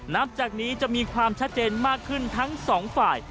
นับจากนี้จะมีความชัดเจนมากขึ้นทั้งสองฝ่าย